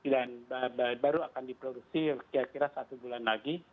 dan baru akan diproduksi kira kira satu bulan lagi